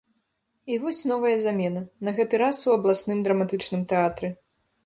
І вось новая замена, на гэты раз у абласным драматычным тэатры.